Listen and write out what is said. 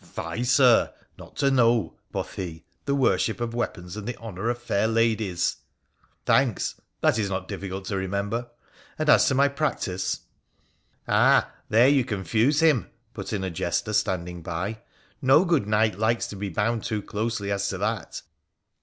' Fie, Sir, not to know,' quoth he, ' the worship of weapons and the honour of fair ladies !'' Thanks. That is not difficult to remember ; and as to my practice ?' PHRA THE PHOENICIAN 153 'Ah! there you confuse him,' put in a jester standing by. 4 No good knight likes to be bound too closely as to that.'